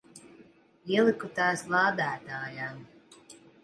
Ieliku tās lādētājā.